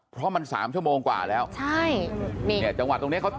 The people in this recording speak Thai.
เพราะมันสามชั่วโมงกว่าแล้วใช่นี่เนี่ยจังหวะตรงเนี้ยเขา